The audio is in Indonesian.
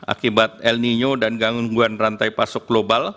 akibat el nino dan gangguan rantai pasok global